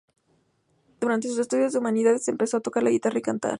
Durante sus estudios de humanidades empezó a tocar la guitarra y cantar.